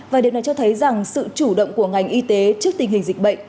và điều này cho thấy rằng sự chủ động của ngành y tế trước tình hình dịch bệnh